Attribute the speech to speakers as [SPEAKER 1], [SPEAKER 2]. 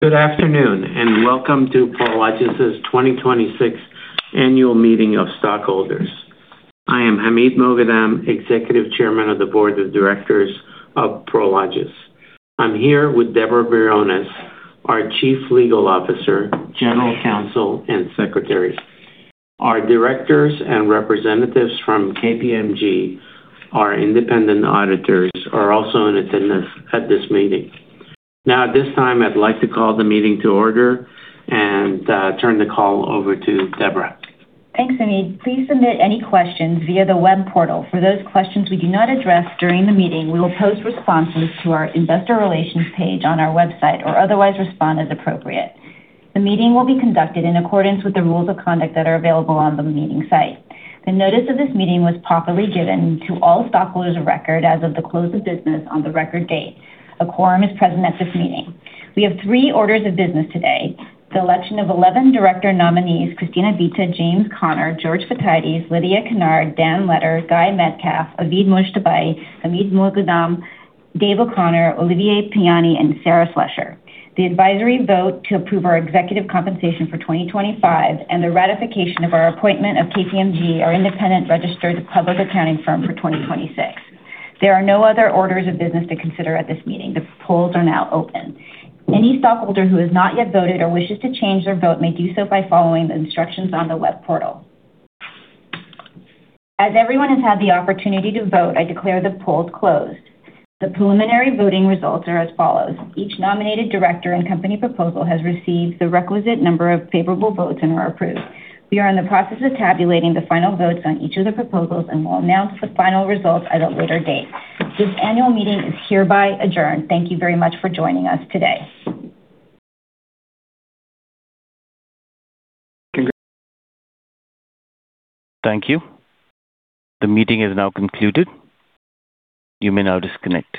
[SPEAKER 1] Good afternoon, and welcome to Prologis's 2026 annual meeting of stockholders. I am Hamid Moghadam, Executive Chairman of the Board of Directors of Prologis. I am here with Deborah Briones, our Chief Legal Officer, General Counsel, and Secretary. Our directors and representatives from KPMG, our independent auditors, are also in attendance at this meeting. Now, at this time, I'd like to call the meeting to order and turn the call over to Deborah.
[SPEAKER 2] Thanks, Hamid R. Moghadam. Please submit any questions via the web portal. For those questions we do not address during the meeting, we will post responses to our investor relations page on our website or otherwise respond as appropriate. The meeting will be conducted in accordance with the rules of conduct that are available on the meeting site. The notice of this meeting was properly given to all stockholders of record as of the close of business on the record date. A quorum is present at this meeting. We have three orders of business today. The election of 11 director nominees, Cristina G. Bita, Jim Connor, George L. Fotiades, Lydia H. Kennard, Dan Letter, Guy A. Metcalfe, Avid Modjtabai, Hamid R. Moghadam, David P. O'Connor, Olivier Piani, and Sarah A. Slusser. The advisory vote to approve our executive compensation for 2025 and the ratification of our appointment of KPMG, our independent registered public accounting firm for 2026. There are no other orders of business to consider at this meeting. The polls are now open. Any stockholder who has not yet voted or wishes to change their vote may do so by following the instructions on the web portal. As everyone has had the opportunity to vote, I declare the polls closed. The preliminary voting results are as follows. Each nominated director and company proposal has received the requisite number of favorable votes and are approved. We are in the process of tabulating the final votes on each of the proposals and will announce the final results at a later date. This annual meeting is hereby adjourned. Thank you very much for joining us today.
[SPEAKER 3] Thank you. The meeting is now concluded. You may now disconnect.